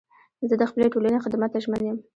زه د خپلي ټولني خدمت ته ژمن یم.